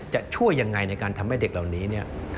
จะช่วยยังไงในการทำให้เด็กเหล่านี้เนี่ย